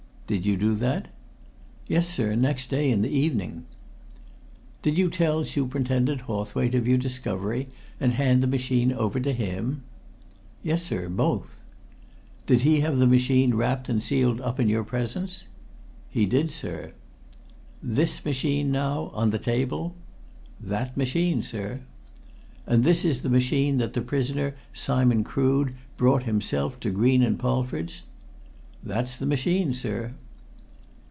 "Did you do that?" "Yes, sir, next day, in the evening." "Did you tell Superintendent Hawthwaite of your discovery and hand the machine to him?" "Yes, sir; both." "Did he have the machine wrapped and sealed up in your presence?" "He did, sir." "This machine, now on the table?" "That machine, sir." "And this is the machine that the prisoner, Simon Crood, brought himself to Green & Polford's?" "That's the machine, sir."